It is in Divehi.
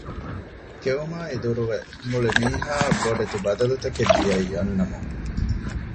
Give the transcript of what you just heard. ކެއުމާއި ދުރުވެ މުޅި މީހާ އަށް ބޮޑެތި ބަދަލުތަކެއް ދިޔައީ އަންނަމުން